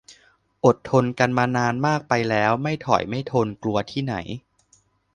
อดทนกันมานานมากไปแล้ว ไม่ถอยไม่ทน กลัวที่ไหน